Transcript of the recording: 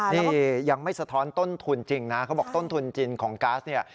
นี่ยังไม่สะท้อนต้นทุนจริงนะเขาบอกต้นทุนจีนของก๊าซเนี่ย